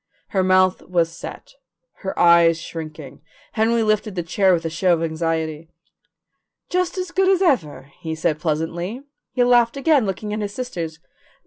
Her mouth was set, her eyes shrinking. Henry lifted the chair with a show of anxiety. "Just as good as ever," he said pleasantly. He laughed again, looking at his sisters.